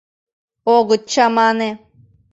Огыт чамане...»